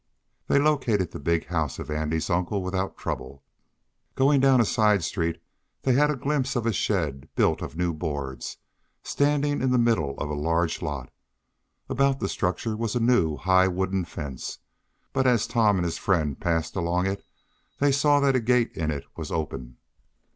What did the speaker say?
They located the big house of Andy's uncle without trouble. Going down a side street, they had a glimpse of a shed, built of new boards, standing in the middle of a large lot. About the structure was a new, high wooden fence, but as Tom and his friend passed along it they saw that a gate in it was open.